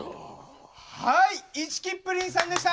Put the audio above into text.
はいイチキップリンさんでした！